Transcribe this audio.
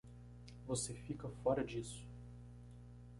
Você fica fora disso.